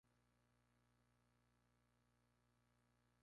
Es hijo de Sylvia y Robert Lee, un conductor de autobús.